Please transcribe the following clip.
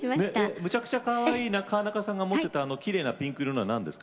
むちゃくちゃかわいい川中さんが持っていったきれいなピンク色のものは何ですか？